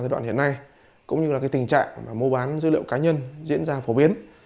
giai đoạn hiện nay cũng như là tình trạng mua bán dữ liệu cá nhân diễn ra phổ biến